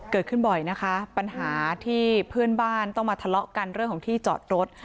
เกิดขึ้นบ่อยนะคะปัญหาที่เพื่อนบ้านต้องมาทะเลาะกันเรื่องของที่จอดรถ